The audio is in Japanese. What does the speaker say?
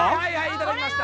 いただきました。